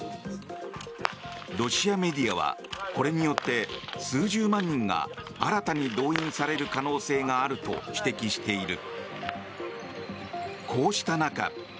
ロシアメディアはこれによって数十万人が新たに動員される可能性があると指摘している。